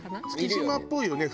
月島っぽいよね